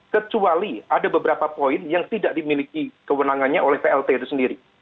kecuali ada beberapa poin yang tidak dimiliki kewenangannya oleh plt itu sendiri